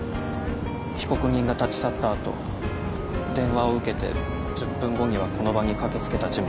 被告人が立ち去った後電話を受けて１０分後にはこの場に駆け付けた人物。